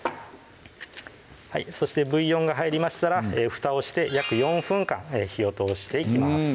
そしてブイヨンが入りましたら蓋をして約４分間火を通していきます